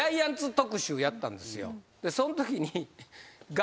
そのときに。